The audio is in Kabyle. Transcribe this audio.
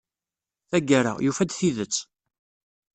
Tagara, yufa-d tidet.